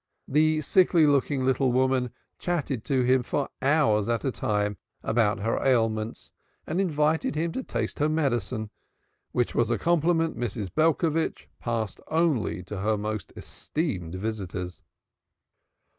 The sickly looking little woman chatted to him for hours at a time about her ailments and invited him to taste her medicine, which was a compliment Mrs. Belcovitch passed only to her most esteemed visitors.